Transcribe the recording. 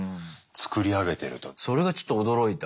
それがちょっと驚いた。